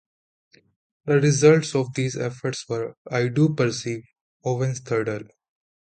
The results of these efforts were "I Do Perceive", Owen's third album.